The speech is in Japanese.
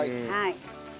はい。